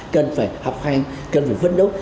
cần phải học hành cần phải phân đấu